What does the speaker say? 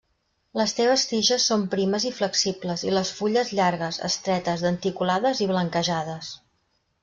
Les seves tiges són primes i flexibles i les fulles llargues, estretes, denticulades i blanquejades.